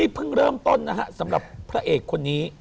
เพิ่งเริ่มต้นนะฮะสำหรับพระเอกคนนี้